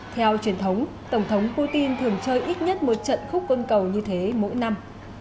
theo truyền thống tổng thống putin thường chơi ít nhất một trận khúc quân cầu như thế mỗi năm